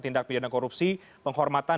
tindak pidana korupsi penghormatan